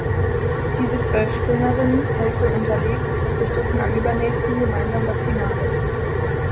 Diese zwölf Springerinnen (hellgrün unterlegt) bestritten am übernächsten gemeinsam das Finale.